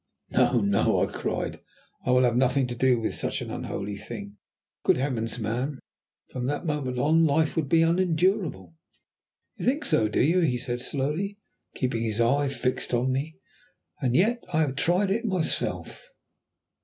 "No, no," I cried, "I will have nothing to do with such an unholy thing. Good heavens, man! from that moment life would be unendurable!" "You think so, do you?" he said slowly, still keeping his eyes fixed on me. "And yet I have tried it myself."